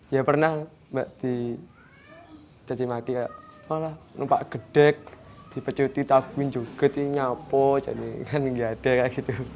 ya pernah di cacimati nampak gedek di pecuti tabun juga nyapu jadi kan gak ada